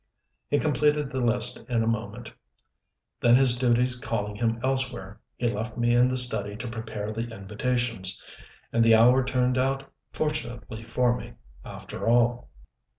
He completed the list in a moment, then his duties calling him elsewhere, he left me in the study to prepare the invitations. And the hour turned out fortunately for me, after all.